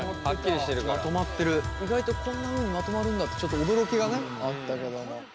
意外とこんなふうにまとまるんだってちょっと驚きがねあったけども。